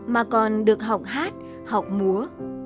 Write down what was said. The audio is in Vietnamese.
mà còn được học hát học múa